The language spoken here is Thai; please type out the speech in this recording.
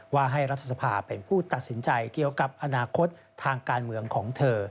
ว่าให้รัฐสภาเป็นผู้ตัดสินใจเกี่ยวกับอนาคตทางการเมืองของเธอ